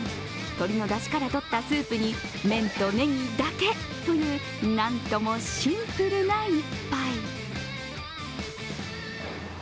鶏のだしからとったスープに麺とねぎだけというなんともシンプルな一杯。